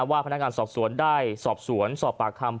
ว่าพนักงานสอบสวนได้สอบสวนสอบปากคำ